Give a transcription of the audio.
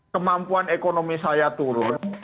kemampuan ekonomi saya turun